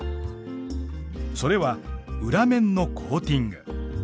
それは裏面のコーティング。